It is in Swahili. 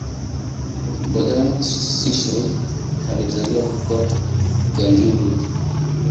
Bojang-Sissoho alizaliwa huko Gunjur.